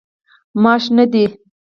ماش شنه دي.